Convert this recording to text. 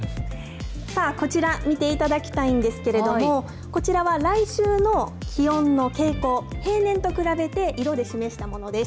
さあ、こちら、見ていただきたいんですけれども、こちらは来週の気温の傾向、平年と比べて、色で示したものです。